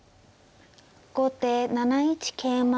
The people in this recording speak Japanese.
後手７一桂馬。